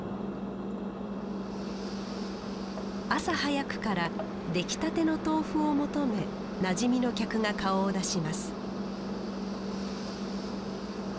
朝早くから出来たての豆腐を求めなじみの客が顔を出します